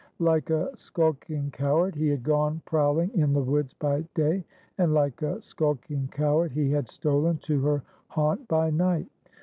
Like a skulking coward he had gone prowling in the woods by day, and like a skulking coward he had stolen to her haunt by night!